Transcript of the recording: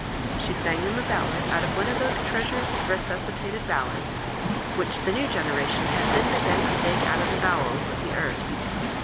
She sang them a ballad out of one of those treasures of resusci tated ballads which the new generation had then begun to dig out of the bowels of the earth.